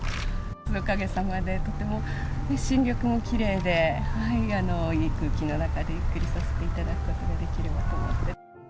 おかげさまで、とても、ね、新緑もきれいで、いい空気の中でゆっくりさせていただくことができればと思って。